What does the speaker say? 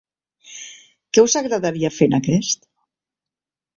Què us agradaria fer en aquest.?